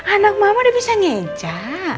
anak mama udah bisa ngeca